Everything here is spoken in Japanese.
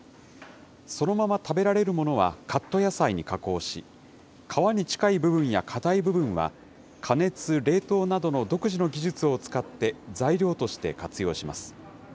そのまま食べられるものはカット野菜に加工し、皮に近い部分や硬い部分は、加熱・冷凍などの独自の技術を使って、材料として活用します。